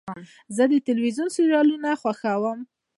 زه د تلویزیون سریالونه خوښوم.